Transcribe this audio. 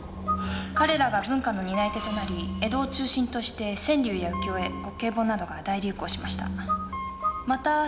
彼らが文化の担い手となり江戸を中心として川柳や浮世絵滑稽本などが大流行しました。